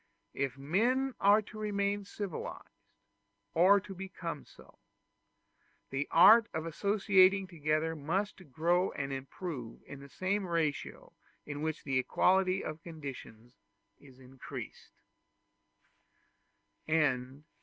If men are to remain civilized, or to become so, the art of associating together must grow and improve in the same ratio in which the equality of conditions is increased.